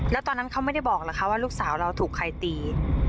แล้วตอนนั้นเขาไม่ได้บอกเหรอคะว่าลูกสาวเราถูกใครตี